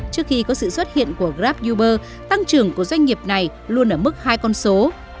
trước khi có sự xuất hiện của grab uber tăng trưởng của doanh nghiệp này luôn ở mức hai con số